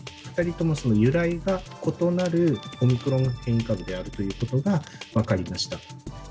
２人とも由来が異なるオミクロン変異株であるということが分かりました。